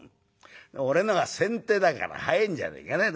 「俺のが先手だから早いんじゃねえかな。